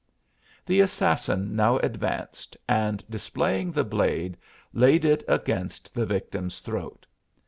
The Assassin now advanced and displaying the blade laid it against the victim's throat.